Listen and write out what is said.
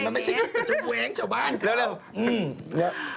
มันไม่ใช่คิดตัวตัวเองชาวบ้านค่ะ